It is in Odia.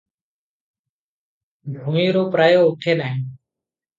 ଭୂଇଁରୁ ପ୍ରାୟ ଉଠେ ନାହିଁ ।